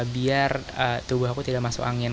biar tubuh aku tidak masuk angin